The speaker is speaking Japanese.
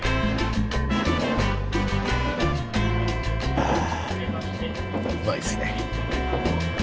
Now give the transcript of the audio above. あうまいっすね。